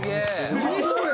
すごい！